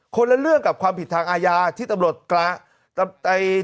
คนละเรื่องกับความผิดทางอาญาที่ตำรวจกลาง